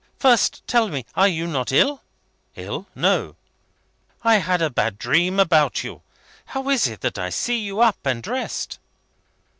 "First tell me; you are not ill?" "Ill? No." "I have had a bad dream about you. How is it that I see you up and dressed?"